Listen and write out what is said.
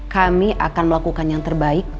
kami akan melakukan yang terbaik